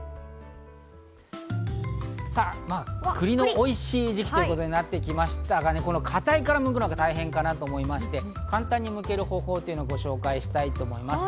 さぁ、栗のおいしい時期となってきましたが、この堅い殻をむくのが大変かと思いまして簡単にむける方法をご紹介したいと思います。